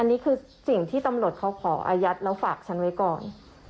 อันนี้คือสิ่งที่ตำรวจเขาขออายัดแล้วฝากฉันไว้ก่อน